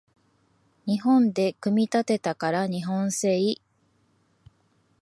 日本で組み立てたから日本製